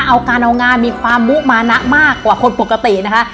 เอาการเอางานมีความมุมานะมากกว่าคนปกตินะคะ